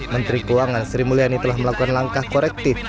menteri keuangan sri mulyani telah melakukan langkah korektif